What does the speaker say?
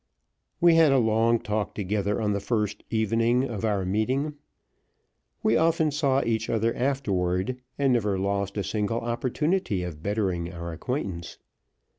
We had a long talk together on the first evening of our meeting; we often saw each other afterward, and never lost a single opportunity of bettering our acquaintance.